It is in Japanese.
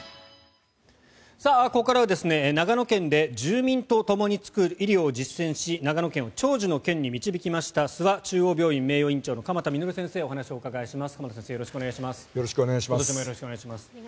ここからは、長野県で住民とともにつくる医療を実践し長野県を長寿の県に導きました諏訪中央病院名誉院長の鎌田實先生にお話をお伺いします。